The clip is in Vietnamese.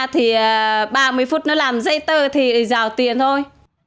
thì ba mươi phút nó làm dây tờ thì rào tiền thôi